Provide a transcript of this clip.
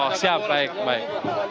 oh siap baik baik